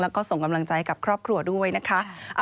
แล้วก็ส่งกำลังใจกับครอบครัวด้วยนะคะ